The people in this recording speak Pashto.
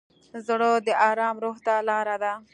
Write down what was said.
زړه د ارام روح ته لاره ده.